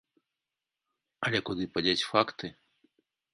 Але куды падзець факты?